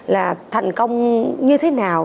là thành công như thế nào